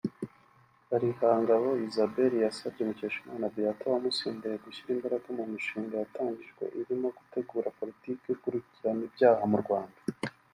Kalihangabo Isabelle yasabye Mukeshimana Beata wamusimbuye gushyira imbaraga mu mishinga yatangijwe irimo gutegura Politiki y’ikurikiranabyaha mu Rwanda